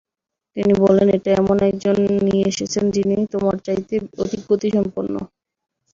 তিনি বললেন, এটা এমন একজন নিয়ে এসেছেন যিনি তোমার চাইতে অধিক গতিসম্পন্ন।